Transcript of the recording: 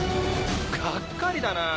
「がっかりだなぁ。